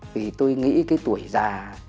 vì tôi nghĩ cái tuổi già